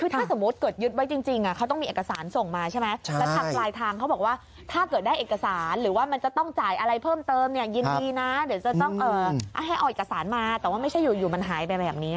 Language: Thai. แต่ว่าไม่ใช่อยู่มันหายไปแบบนี้